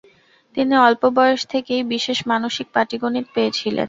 তিনি অল্প বয়স থেকেই বিশেষ মানসিক পাটিগণিত পেয়েছিলেন।